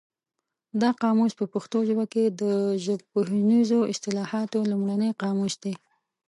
دا قاموس په پښتو ژبه کې د ژبپوهنیزو اصطلاحاتو لومړنی قاموس دی.